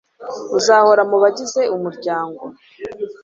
Uzahora mubagize umuryango